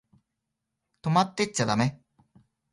泊まってっちゃだめ？